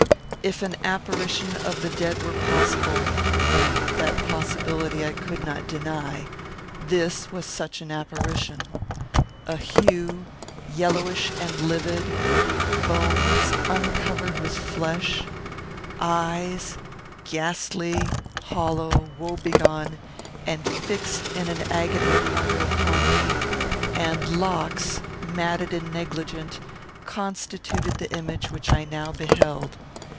If an apparition of the dead were possible, (and that possibility I could not deny,) this was such an apparition. A hue, yellowish and livid; bones, uncovered with flesh; eyes, ghastly, hollow, woe begone, and fixed in an agony of wonder upon me; and locks, matted and negligent, constituted the image which I now beheld.